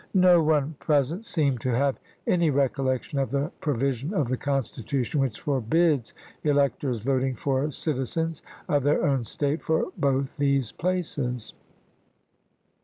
No one present seemed to have any recollection of the pro vision of the Constitution which forbids electors voting for citizens of their own State for both these places.